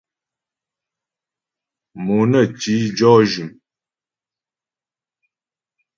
Mo nə ti jɔ́ jʉm.